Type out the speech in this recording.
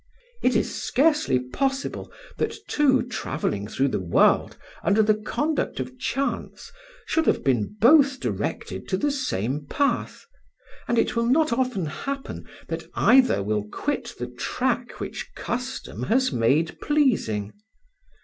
"It is scarcely possible that two travelling through the world under the conduct of chance should have been both directed to the same path, and it will not often happen that either will quit the track which custom has made pleasing.